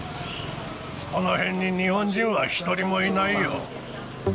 この辺に日本人は一人もいないよ。